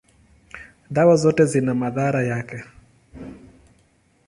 dawa zote zina madhara yake.